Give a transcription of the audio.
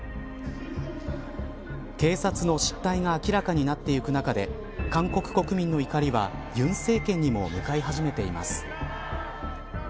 警察の失態が明らかになっていく中で韓国国民の怒りは尹政権にも向かい始めています。